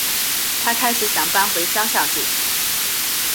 她开始想搬回乡下住